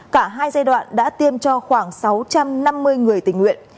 cả hai giai đoạn đã tiêm cho khoảng sáu trăm năm mươi người tình nguyện